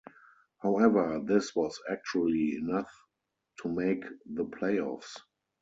However, this was actually enough to make the playoffs.